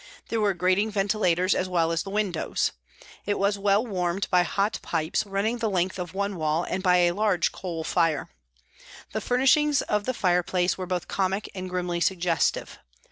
There were grating venti lators as well as the windows. It was well warmed by hot pipes running the length of one wall and by a large coal fire. The furnishings of the fire place were both comic and grimly suggestive.